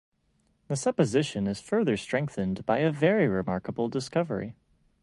The supposition is further strengthened by a very remarkable discovery.